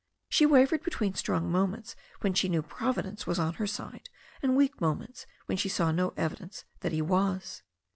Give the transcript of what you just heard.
She wavered between strong moments when she knew Providence was on her side and weak moments when she saw no evidence that He was.